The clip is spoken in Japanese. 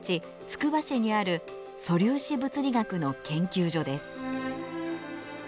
つくば市にある素粒子物理学の研究所です。